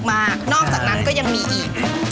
นอกจากนั้นก็ยังมีอีก